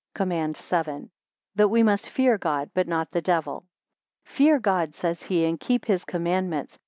COMMAND VII. That we must fear God but not the Devil. FEAR God, says he, and keep his commandments.